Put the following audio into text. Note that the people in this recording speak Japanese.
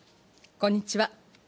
こんにちは。